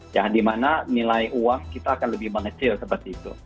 ya dimana nilai uang kita akan lebih mengecil seperti itu